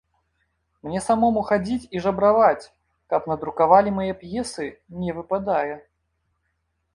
Мне самому хадзіць і жабраваць, каб надрукавалі мае п'есы, не выпадае.